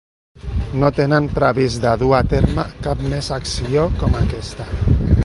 No tenen previst de dur a terme cap més acció com aquesta.